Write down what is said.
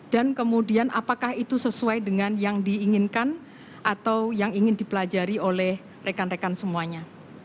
dan kemudian apakah itu sesuai dengan yang diinginkan atau yang ingin dipelajari oleh rekan rekan semuanya